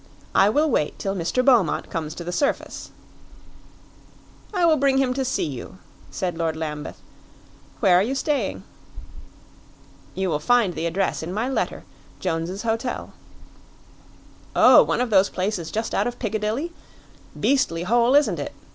"I will wait till Mr. Beaumont comes to the surface." "I will bring him to see you," said Lord Lambeth; "where are you staying?" "You will find the address in my letter Jones's Hotel." "Oh, one of those places just out of Piccadilly? Beastly hole, isn't it?"